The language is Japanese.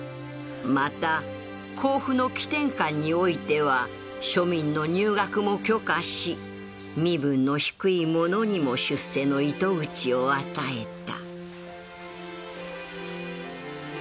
また甲府の徽典館においては庶民の入学も許可し身分の低い者にも出世の糸口を与えた